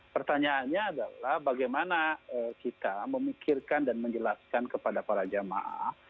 pertanyaannya adalah bagaimana kita memikirkan dan menjelaskan kepada para jamaah